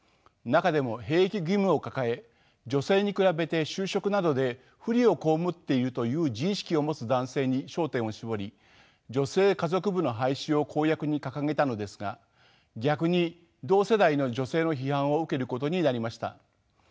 中でも兵役義務を抱え女性に比べて就職などで不利を被っているという自意識を持つ男性に焦点を絞り女性家族部の廃止を公約に掲げたのですが逆に同世代の女性の批判を受けることになりました。